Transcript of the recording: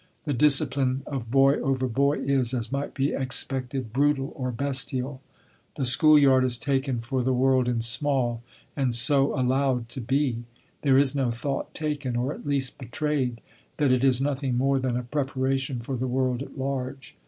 The discipline of boy over boy is, as might be expected, brutal or bestial. The school yard is taken for the world in small, and so allowed to be. There is no thought taken, or at least betrayed, that it is nothing more than a preparation for the world at large.